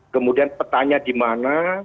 kemudian petanya di mana